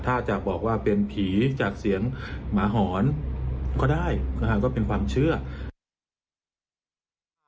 ถ้าจะบอกว่าเป็นผีจากเสียงหมาหอนก็ได้นะฮะก็เป็นความเชื่อ